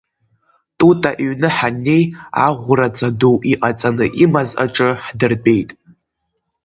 Тута иҩны ҳаннеи, аӷәраҵа ду иҟаҵаны имаз аҿы ҳдыртәеит.